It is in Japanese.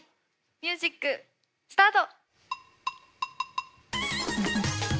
ミュージックスタート！